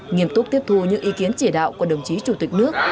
nghiêm túc tiếp thu những ý kiến chỉ đạo của đồng chí chủ tịch nước